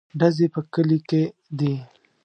_ډزې په کلي کې دي.